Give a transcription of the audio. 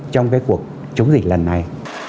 trong cái cuộc chống dịch lần này